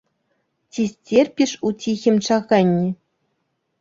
Ці сцерпіш у ціхім чаканні?